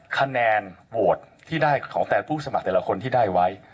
คะแนนโหวตที่ได้ของแฟนผู้สมัครแต่ละคนที่ได้ไว้